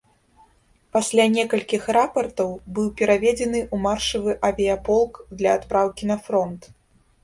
Пасля некалькіх рапартаў быў пераведзены ў маршавы авіяполк для адпраўкі на фронт.